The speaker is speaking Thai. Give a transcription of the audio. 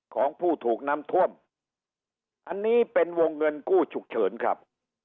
ของผู้ถูกน้ำท่วมอันนี้เป็นวงเงินกู้ฉุกเฉินครับ